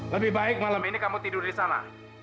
lebih baik malam ini kamu tidur di sana